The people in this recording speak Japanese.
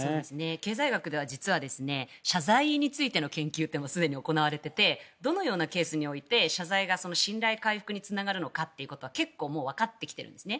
経済学では実は謝罪についての研究もすでに行われていてどのようなケースにおいて謝罪が信頼回復につながるのかということは結構わかってきているんですね。